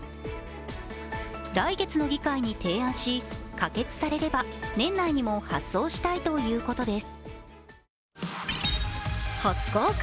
来月の議会に提案し、可決されれば年内にも発送したいということです。